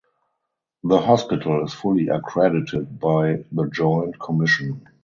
The hospital is fully accredited by The Joint Commission.